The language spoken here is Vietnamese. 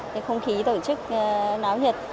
cái không khí tổ chức náo nhiệt